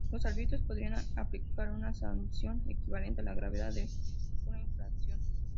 Los árbitros podrán aplicar una sanción equivalente a la gravedad de una infracción.